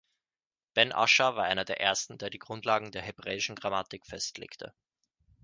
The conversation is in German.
Ben Ascher war einer der ersten, der die Grundlagen der hebräischen Grammatik festlegte.